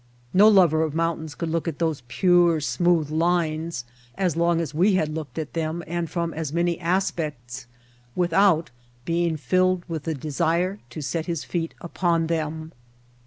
No lover of mountains could look at those pure, smooth lines as long as we had looked at them and from as many aspects without being filled with the desire to set his feet upon them.